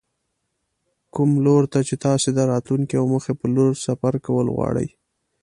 کوم لور ته چې تاسې د راتلونکې او موخې په لور سفر کول غواړئ.